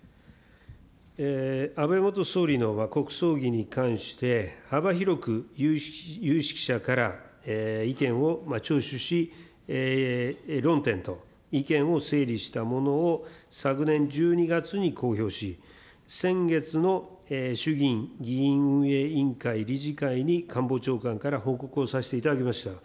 安倍元総理の国葬儀に関して、幅広く有識者から意見を聴取し、論点と意見を整理したものを、昨年１２月に公表し、先月の衆議院議院運営委員会理事会に、官房長官から報告をさせていただきました。